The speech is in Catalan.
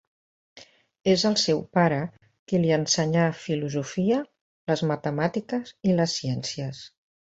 És el seu pare qui li ensenyà filosofia, les matemàtiques i les ciències.